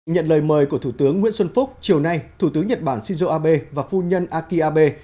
nhận lời mời của thủ tướng nguyễn xuân phúc chiều nay thủ tướng nhật bản shinzo abe và phu nhân aki abe